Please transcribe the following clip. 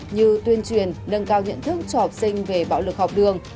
như tuyên truyền nâng cao nhận thức cho học sinh về bạo lực học đường